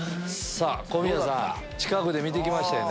小宮さん近くで見て来ましたよね。